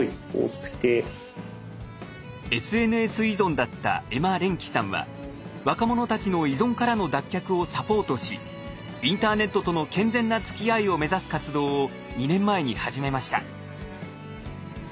ＳＮＳ依存だったエマ・レンキさんは若者たちの依存からの脱却をサポートしインターネットとの健全なつきあいを目指す活動を２年前に始めました。